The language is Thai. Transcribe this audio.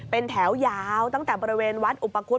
เป็นแถวยาวตั้งแต่บริเวณวัดอุปคุฎ